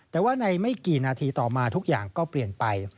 แต่ว่าในไม่กี่นาทีต่อมาทุกอย่างก็เปลี่ยนไป